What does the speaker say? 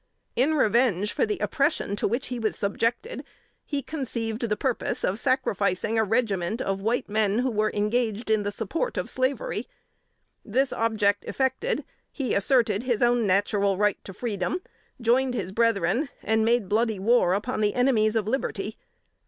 In revenge for the oppression to which he was subjected, he conceived the purpose of sacrificing a regiment of white men, who were engaged in the support of slavery. This object effected, he asserted his own natural right to freedom, joined his brethren, and made bloody war upon the enemies of liberty.